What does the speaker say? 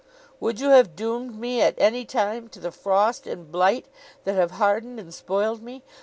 'Would you have doomed me, at any time, to the frost and blight that have hardened and spoiled me?